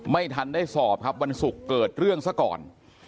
ไม่ทันได้สอบครับวันศุกร์เกิดเรื่องซะก่อน